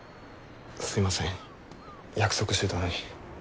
すいません約束してたのに。